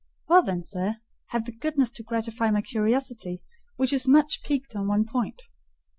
"Well then, sir, have the goodness to gratify my curiosity, which is much piqued on one point."